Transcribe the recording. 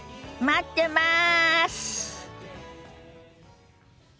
待ってます！